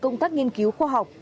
công tác nghiên cứu khoa học